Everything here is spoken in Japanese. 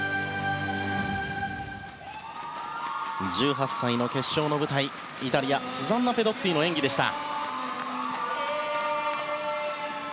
１８歳の決勝の舞台イタリアスザンナ・ペドッティの演技でした。